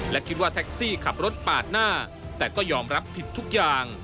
และคิดว่าแท็กซี่ขับรถปาดหน้าแต่ก็ยอมรับผิดทุกอย่าง